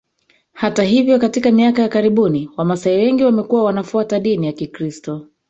Hata hivyo katika miaka ya karibuni wamasai wengi wamekuwa wanafuata dini ya kikiristo